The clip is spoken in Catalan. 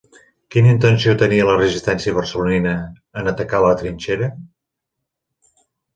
Quina intenció tenia la resistència barcelonina en atacar la trinxera?